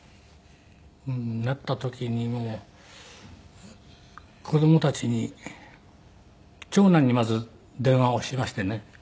なった時にもう子供たちに長男にまず電話をしましてね。